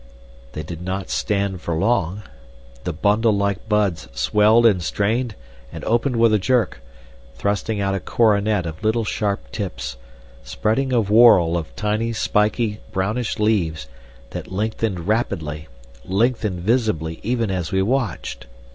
They did not stand for long. The bundle like buds swelled and strained and opened with a jerk, thrusting out a coronet of little sharp tips, spreading a whorl of tiny, spiky, brownish leaves, that lengthened rapidly, lengthened visibly even as we watched.